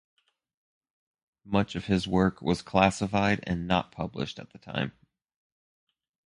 Much of his work was classified and not published at the time.